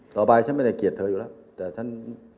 ไปฉันไม่ได้เกลียดเธออยู่แล้วแต่ฉัน